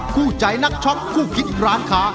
คู่ใจนักช็อคคู่คิดร้านค้า